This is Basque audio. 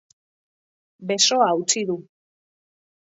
Besoa hautsi du.